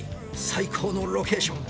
最高のロケーション。